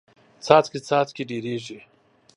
څاڅکې څاڅکې ډېریږي.